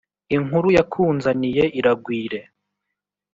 Inkuru yakunzaniye iragwire